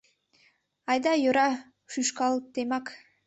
Айда, йӧра, шӱшкалтемак.